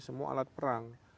semua alat perang